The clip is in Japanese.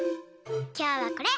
きょうはこれ。